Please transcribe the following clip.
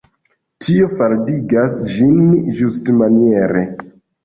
Tio faldigas ĝin ĝustmaniere.